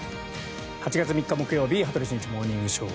８月３日、木曜日「羽鳥慎一モーニングショー」。